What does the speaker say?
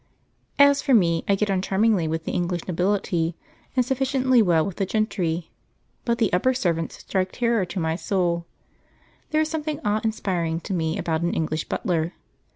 As for me, I get on charmingly with the English nobility and sufficiently well with the gentry, but the upper servants strike terror to my soul. There is something awe inspiring to me about an English butler.